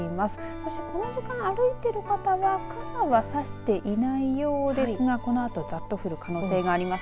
そしてこの時間歩いている方は傘は差していないようですがこのあとざっと降る可能性があります。